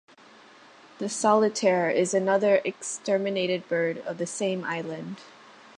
The solitaire is another exterminated bird of the same island.